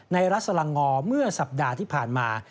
รัฐสลังงอเมื่อสัปดาห์ที่ผ่านมา